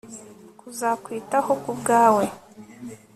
tuzakwitaho kubwawe